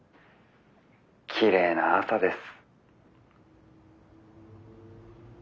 きれいな朝です」。